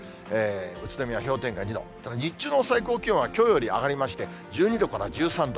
宇都宮氷点下２度、日中の最高気温はきょうより上がりまして、１２度から１３度。